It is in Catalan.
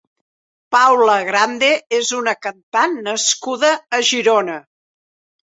Paula Grande és una cantant nascuda a Girona.